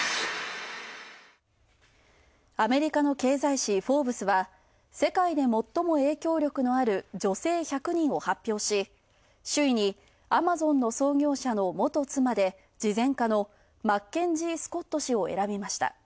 アメリカの経済誌「フォーブス」は、世界で最も影響力のある女性１００人発表し、首位にＡｍａｚｏｎの創業者の元妻で慈善家のマッケンジー・スコット氏を選びました。